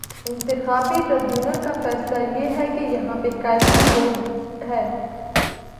انتخابی ٹربیونل کا فیصلہ یہ ہے کہ یہاں بے قاعدگی ہو ئی ہے۔